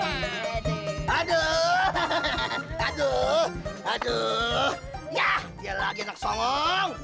aduh hahahaha aduh aduh yah dia lagi nak songong